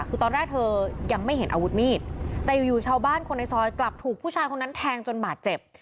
คือตอนแรกเธอยังไม่เห็นอาวุธมีดแต่อยู่อยู่ชาวบ้านคนในซอยกลับถูกผู้ชายคนนั้นแทงจนบาดเจ็บ